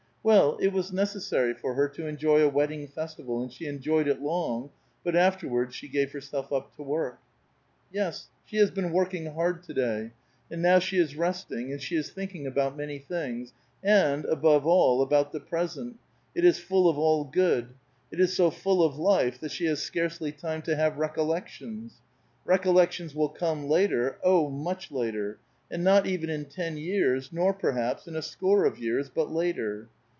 Well, it was necessary for her to enjoy a wedding festival, and she enjoyed it long, but afterwaixls she gave herself up to work. Yes, she has been working hard to day, and now she is resting, and she is thinking about many things, and, above all, about the present ; it is full of all good ! It is so full of life that she has scarcely time to have recollections. Recol lections will come later, oh, much later ; and not even in ten years, nor, perhaps, in a score of years, but later.